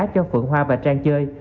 cho phượng hoa và trang chơi